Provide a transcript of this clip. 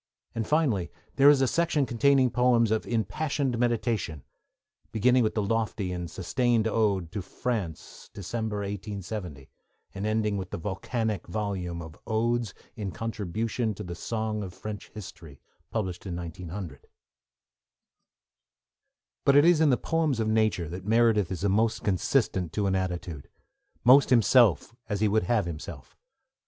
And, finally, there is a section containing poems of impassioned meditation, beginning with the lofty and sustained ode to France, December 1870, and ending with the volcanic volume of Odes in Contribution to the Song of French History, published in 1900. But it is in the poems of nature that Meredith is most consistent to an attitude, most himself as he would have himself.